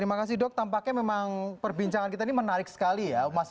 terima kasih dok tampaknya memang perbincangan kita ini menarik sekali ya